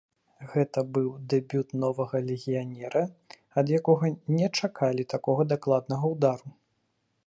Гэта быў дэбют новага легіянера, ад якога не чакалі такога дакладнага ўдару.